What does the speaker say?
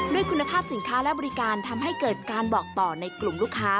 ด้วยคุณภาพสินค้าและบริการทำให้เกิดการบอกต่อในกลุ่มลูกค้า